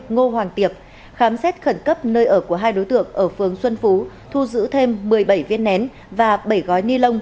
ngô hoàng tiệp khám xét khẩn cấp nơi ở của hai đối tượng ở phường xuân phú thu giữ thêm một mươi bảy viên nén và bảy gói ni lông